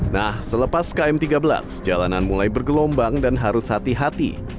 nah selepas km tiga belas jalanan mulai bergelombang dan harus hati hati